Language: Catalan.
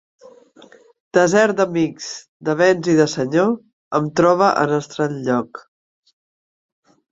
Desert d'amics, de béns i de senyor, em trobe en estrany lloc.